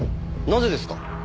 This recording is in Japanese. なぜですか？